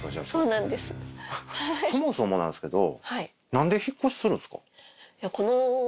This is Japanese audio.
そもそもなんですけど。